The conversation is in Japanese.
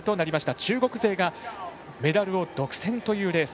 中国勢がメダルを独占というレース。